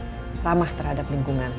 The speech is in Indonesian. juga lebih ramah terhadap lingkungan